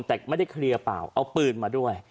แต่ไม่ได้เคลียร์เปล่าเอาปืนมาด้วย